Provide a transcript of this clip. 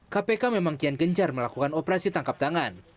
kpk memang kian gencar melakukan operasi tangkap tangan